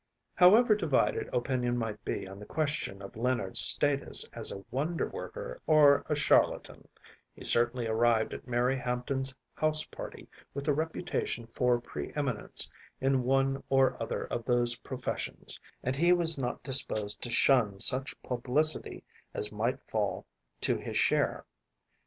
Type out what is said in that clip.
However divided opinion might be on the question of Leonard’s status as a wonderworker or a charlatan, he certainly arrived at Mary Hampton’s house party with a reputation for pre eminence in one or other of those professions, and he was not disposed to shun such publicity as might fall to his share.